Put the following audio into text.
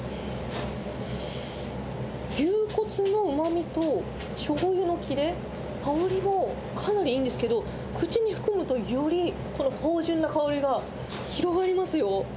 牛骨のうまみとしょうゆのきれ、香りもかなりいいんですけど、口に含むと、より芳じゅんな香りが広がりますよ。